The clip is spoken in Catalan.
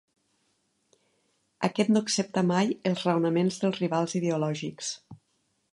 Aquest no accepta mai els raonaments dels rivals ideològics.